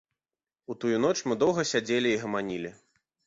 У тую ноч мы доўга сядзелі і гаманілі.